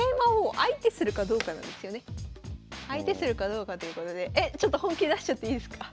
さあこの相手するかどうかということでえちょっと本気出しちゃっていいですか？